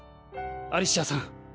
アリシアさん。